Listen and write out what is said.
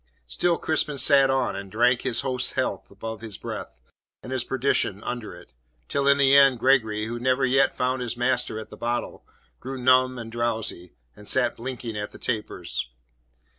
Still Crispin sat on, and drank his host's health above his breath, and his perdition under it, till in the end Gregory, who never yet had found his master at the bottle, grew numb and drowsy, and sat blinking at the tapers.